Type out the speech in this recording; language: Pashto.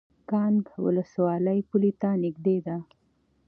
کانګ ولسوالۍ پولې ته نږدې ده؟